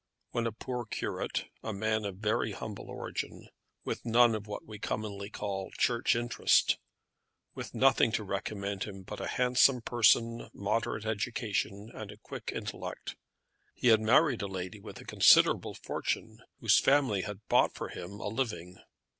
When a poor curate, a man of very humble origin, with none of what we commonly call Church interest, with nothing to recommend him but a handsome person, moderate education, and a quick intellect, he had married a lady with a considerable fortune, whose family had bought for him a living.